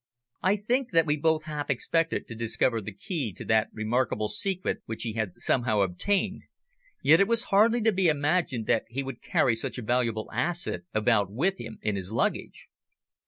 I think that we both half expected to discover the key to that remarkable secret which he had somehow obtained, yet it was hardly to be imagined that he would carry such a valuable asset about with him in his luggage.